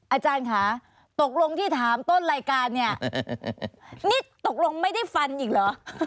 อาจารย์ค่ะตกลงที่ถามต้นรายการเนี่ยนี่ตกลงไม่ได้ฟันอีกเหรอ